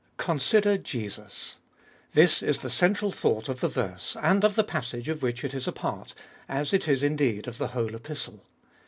Consider Jesus ! This is the central thought of the verse, and of the passage of which it is a part, as it is indeed of the whole Epistle.